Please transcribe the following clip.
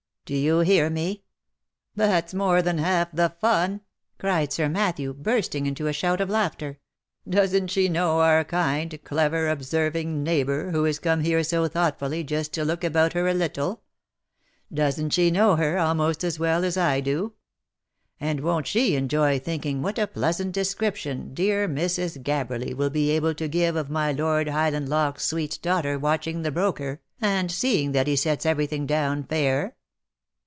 Do you hear me ? That's more than half the fun," cried Sir Matthew, bursting into a shout of laughter. " Doesn't she know our kind, clever, observing, neighbour, who is come here so thoughtfully, just to look about her a little ? Doesn't she know her, almost as well as I do ? And won't she enjoy thinking what a pleasant description dear Mrs. Gabberly will be able to give of my Lord High landloch's sweet daughter watching the broker, and seeing that he sets every thing down fair?"